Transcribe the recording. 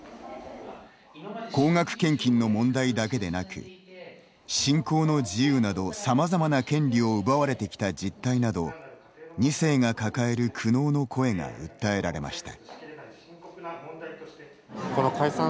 高額献金の問題だけでなく信仰の自由などさまざまな権利を奪われてきた実態など２世が抱える苦悩の声が訴えられました。